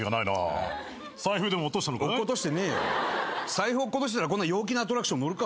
財布落っことしてたらこんな陽気なアトラクション乗るか。